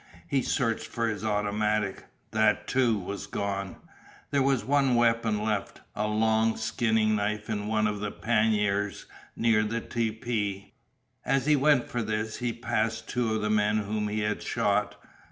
He searched for his automatic. That, too, was gone. There was one weapon left a long skinning knife in one of the panniers near the tepee. As he went for this, he passed two of the men whom he had shot.